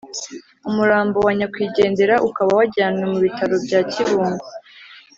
Umurambo wa nyakwigendera ukaba wajyanwe mu bitaro bya Kibungo